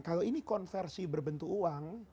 kalau ini konversi berbentuk uang